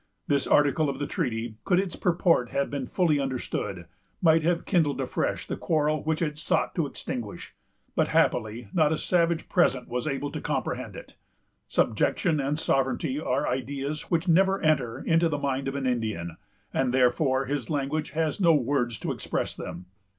This article of the treaty, could its purport have been fully understood, might have kindled afresh the quarrel which it sought to extinguish; but happily not a savage present was able to comprehend it. Subjection and sovereignty are ideas which never enter into the mind of an Indian, and therefore his language has no words to express them.